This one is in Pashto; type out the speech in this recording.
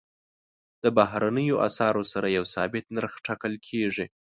د بهرنیو اسعارو سره یو ثابت نرخ ټاکل کېږي.